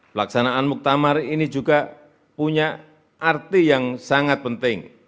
pelaksanaan muktamar ini juga punya arti yang sangat penting